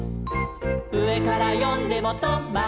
「うえからよんでもト・マ・ト」